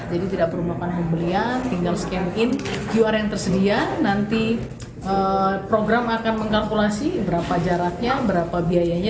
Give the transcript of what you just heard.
jadi tidak perlu memakan pembelian tinggal scan in qr yang tersedia nanti program akan mengkalkulasi berapa jaraknya berapa biayanya